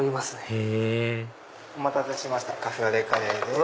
へぇお待たせしましたカフェオレカレーです。